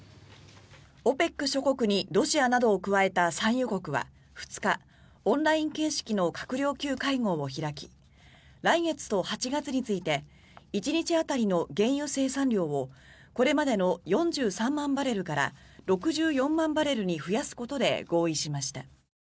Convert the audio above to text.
ＯＰＥＣ諸国にロシアなどを加えた産油国は２日オンライン形式の閣僚級会合を開き来月と８月について１日当たりの原油生産量をこれまでの４３万バレルから６４万バレルに増やすことで合意しました。